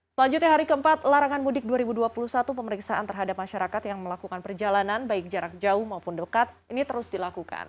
selanjutnya hari keempat larangan mudik dua ribu dua puluh satu pemeriksaan terhadap masyarakat yang melakukan perjalanan baik jarak jauh maupun dekat ini terus dilakukan